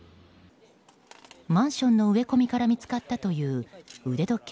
マンションの植え込みから見つかったという腕時計